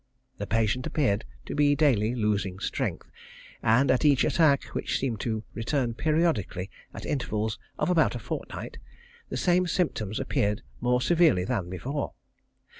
The patient appeared to be daily losing strength, and at each attack, which seemed to return periodically at intervals of about a fortnight, the same symptoms appeared more severely than before.